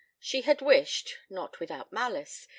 She had wished (not without malice!)